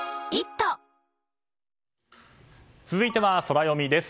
続いてはソラよみです。